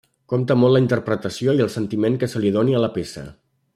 Compte molt la interpretació i el sentiment que se li doni a la peça.